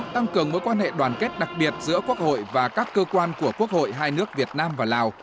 tăng cường mối quan hệ đoàn kết đặc biệt giữa quốc hội và các cơ quan của quốc hội hai nước việt nam và lào